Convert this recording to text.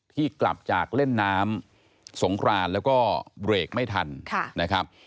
กลับจากเล่นน้ำสงครานแล้วก็เบรกไม่ทันนะครับ